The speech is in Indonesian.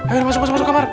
ayo masuk masuk masuk kamar